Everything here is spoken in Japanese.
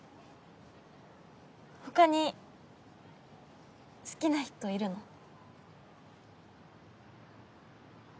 他に好きな人いるの？